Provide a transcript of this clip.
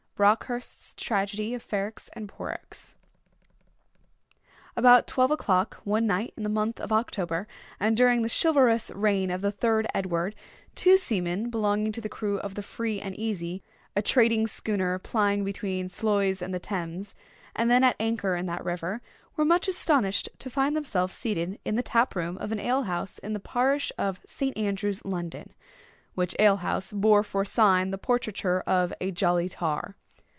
—Buckhurst's Tragedy of Ferrex and Porrex. About twelve o'clock, one night in the month of October, and during the chivalrous reign of the third Edward, two seamen belonging to the crew of the >Free and Easy, a trading schooner plying between Sluys and the Thames, and then at anchor in that river, were much astonished to find themselves seated in the tap room of an ale house in the parish of St. Andrews, London—which ale house bore for sign the portraiture of a "Jolly Tar."